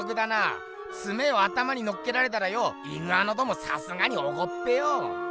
ツメを頭にのっけられたらよイグアノドンもさすがにおこっぺよ！